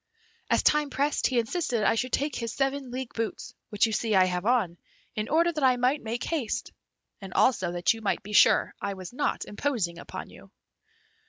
As time pressed, he insisted I should take his seven league boots, which you see I have on, in order that I might make haste, and also that you might be sure I was not imposing upon you."